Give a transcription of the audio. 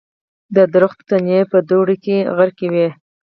د ونو تنې په دوړو کې غرقي وې.